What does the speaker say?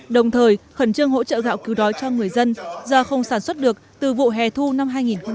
đồng thời khẩn trương hỗ trợ gạo cứu đói cho người dân do không sản xuất được từ vụ hè thu năm hai nghìn một mươi chín